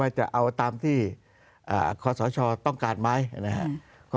จะเอาตามที่คศต้องการไหมนะครับ